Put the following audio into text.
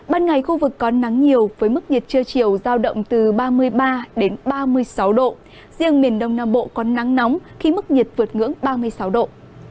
ban ngày khu vực có nắng nhiều với mức nhiệt trưa chiều giao động từ ba mươi ba đến ba mươi sáu độ riêng miền đông nam bộ có nắng nóng khi mức nhiệt vượt ngưỡng ba mươi sáu độ